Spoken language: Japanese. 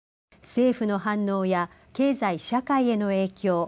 政府の反応や経済社会への影響